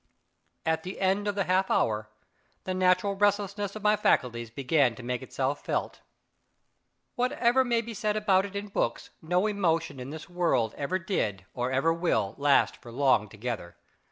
At the end of the half hour, the natural restlessness of my faculties began to make itself felt. Whatever may be said about it in books, no emotion in this world ever did, or ever will, last for long together.